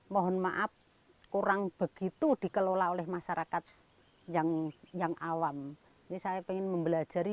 mohon maaf kurang begitu dikelola oleh masyarakat yang yang awam ini saya ingin mempelajari